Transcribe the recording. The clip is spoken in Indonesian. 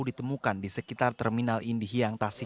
ditemukan di sekitar pelaku